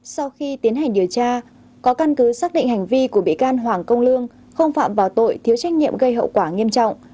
sau khi tiến hành điều tra có căn cứ xác định hành vi của bị can hoàng công lương không phạm vào tội thiếu trách nhiệm gây hậu quả nghiêm trọng